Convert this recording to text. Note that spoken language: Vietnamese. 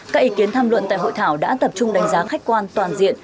các ý kiến tham luận tại hội thảo đã tập trung đánh giá khách quan toàn diện